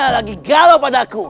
lagi galau pada aku